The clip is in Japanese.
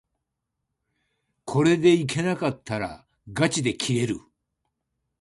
これでいけなかったらがちで切れる